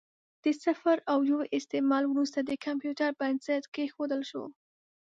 د صفر او یو استعمال وروسته د کمپیوټر بنسټ کېښودل شو.